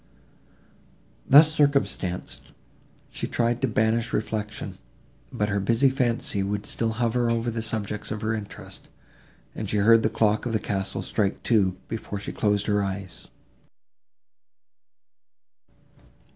Thus circumstanced, she tried to banish reflection, but her busy fancy would still hover over the subjects of her interest, and she heard the clock of the castle strike two, before she closed her eyes.